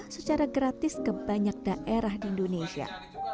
secara gratis ke banyak daerah di indonesia